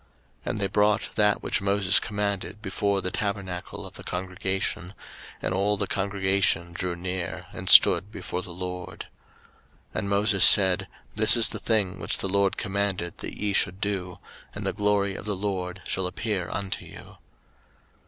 03:009:005 And they brought that which Moses commanded before the tabernacle of the congregation: and all the congregation drew near and stood before the LORD. 03:009:006 And Moses said, This is the thing which the LORD commanded that ye should do: and the glory of the LORD shall appear unto you.